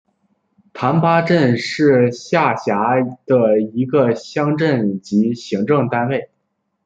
覃巴镇是下辖的一个乡镇级行政单位。